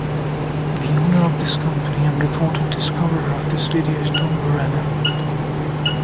The owner of this company and reported discoverer of this video is Don Warrener.